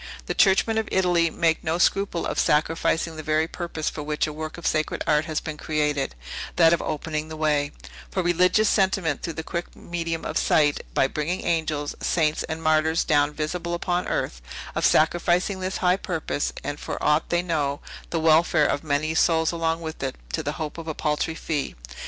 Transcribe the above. The churchmen of Italy make no scruple of sacrificing the very purpose for which a work of sacred art has been created; that of opening the way; for religious sentiment through the quick medium of sight, by bringing angels, saints, and martyrs down visibly upon earth; of sacrificing this high purpose, and, for aught they know, the welfare of many souls along with it, to the hope of a paltry fee.